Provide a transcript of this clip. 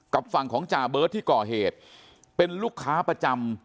ฝั่งของจ่าเบิร์ตที่ก่อเหตุเป็นลูกค้าประจำ